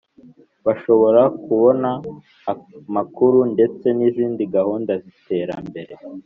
bashobora kubona amakuru ndetse n’izindi gahunda z’iterambere.